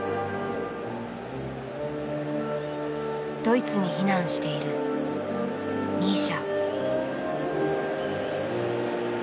ドイツに避難しているミーシャ。